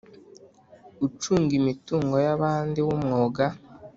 Ucunga imitungo y abandi w umwuga